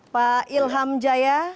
pak ilham jaya